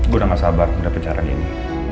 gue udah gak sabar mencapai pencarian ini